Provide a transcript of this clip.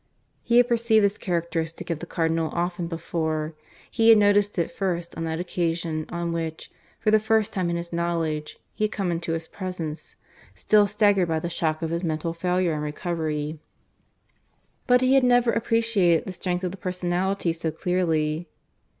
He had perceived this characteristic of the Cardinal often before; he had noticed it first on that occasion on which, for the first time in his knowledge, he had come into his presence, still staggered by the shock of his mental failure and recovery. But he had never appreciated the strength of the personality so clearly.